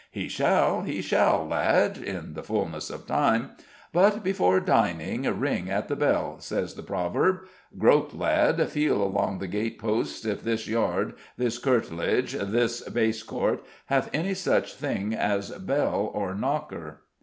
"He shall, he shall, lad in the fullness of time: 'but before dining ring at the bell,' says the proverb. Grope, lad, feel along the gate posts if this yard, this courtlage, this base court, hath any such thing as bell or knocker.